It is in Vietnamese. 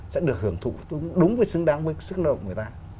sẽ được hưởng thụ đúng với xứng đáng với sức lượng của người ta